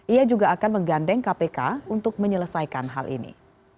ia juga akan menggandeng kpk untuk menyelesaikan hal ini